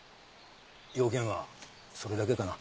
用件はそれだけかな？